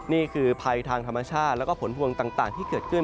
นี่คือภัยทางธรรมชาติแล้วก็ผลพวงต่างที่เกิดขึ้น